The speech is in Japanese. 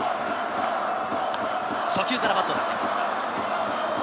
初球からバットを出していきました。